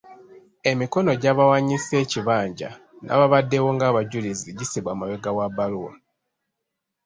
Emikono gy'abawaanyisa ekibanja n'ababaddewo ng’abajulizi gissibwa mabega wa bbaluwa.